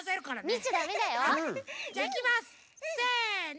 じゃあいきます！せの！